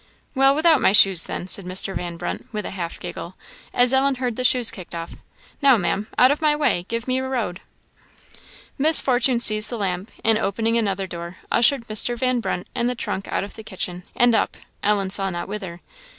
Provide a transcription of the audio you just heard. "Well, without my shoes, then," said Mr. Van Brunt, with a half giggle, as Ellen heard the shoes kicked off. "Now, Maam, out of my way! give me a road." Miss Fortune seized the lamp, and, opening another door, ushered Mr. Van Brunt and the trunk out of the kitchen, and up Ellen saw not whither.